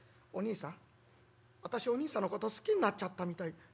『おにいさん私おにいさんのこと好きになっちゃったみたい』。